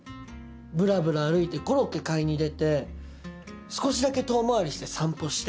ぶらぶら歩いてコロッケ買いに出て少しだけ遠回りして散歩して。